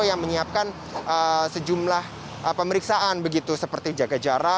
yang menyiapkan sejumlah pemeriksaan begitu seperti jaga jarak